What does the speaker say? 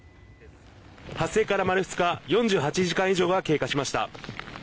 発生から丸２日４８時間以上が経過しました。